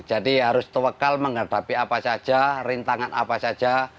jadi harus tualekar menghadapi apa saja rintangan apa saja